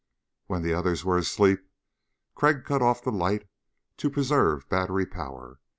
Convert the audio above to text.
When the others were asleep, Crag cut off the light to preserve battery power.